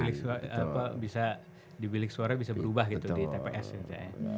jadi gak ada tanda tanda bisa di bilik suara bisa berubah gitu di tps gitu ya